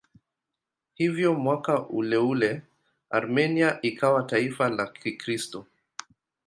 Hivyo mwaka uleule Armenia ikawa taifa la Kikristo.